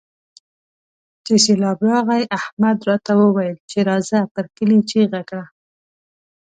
چې سېبلاب راغی؛ احمد راته وويل چې راځه پر کلي چيغه کړه.